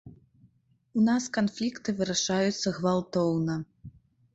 У нас канфлікты вырашаюцца гвалтоўна.